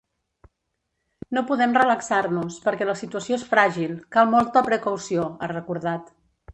No podem relaxar-nos, perquè la situació és fràgil, cal molta precaució, ha recordat.